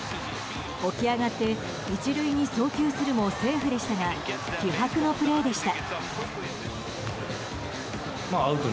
起き上がって１塁に送球するもセーフでしたが気迫のプレーでした。